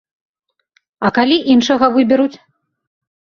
А калі іншага выберуць?